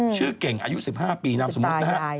เก่งอายุ๑๕ปีนามสมมุตินะฮะ